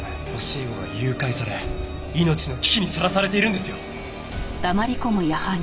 教え子が誘拐され命の危機にさらされているんですよ！